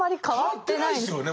変わってないですよね！